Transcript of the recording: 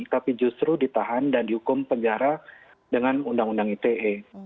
tapi justru ditahan dan dihukum penjara dengan undang undang ite